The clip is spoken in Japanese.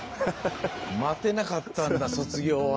待てなかったんだ卒業は。